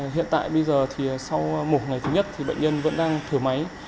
hiện tại bây giờ thì sau mổ ngày thứ nhất thì bệnh nhân vẫn đang thử máy